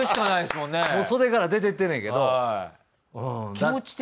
もう袖から出てってんねんけど。